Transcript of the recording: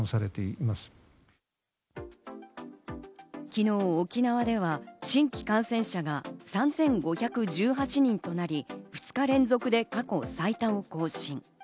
昨日、沖縄では新規感染者が３５１８人となり、２日連続で過去最多を更新。